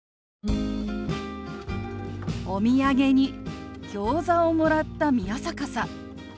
お土産にギョーザをもらった宮坂さん。